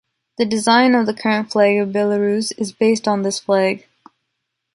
The design of the current flag of Belarus is based on this flag.